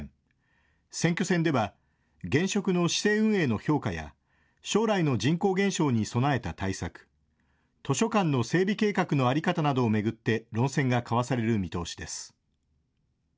選挙戦では現職の市政運営の評価や将来の人口減少に備えた対策、図書館の整備計画の在り方などを巡って論戦が交わされる見通しです。